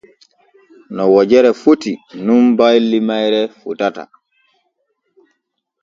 No wojere foti nun balli mayre fotata.